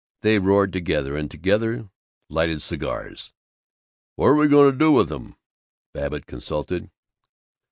They roared together, and together lighted cigars. "What are we going to do with 'em?" Babbitt consulted.